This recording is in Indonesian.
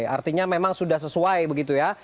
artinya memang sudah sesuai begitu ya